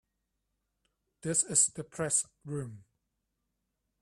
This is the Press Room.